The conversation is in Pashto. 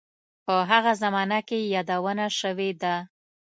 په هغه زمانه کې یې یادونه شوې ده.